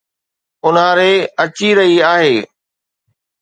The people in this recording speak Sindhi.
اونهاري اچي رهي آهي